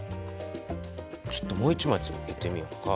ちょっともう１枚つけてみよっか。